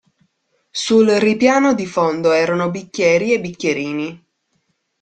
Sul ripiano di fondo erano bicchieri e bicchierini.